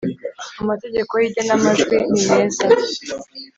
amategeko yi genamajwi ni meza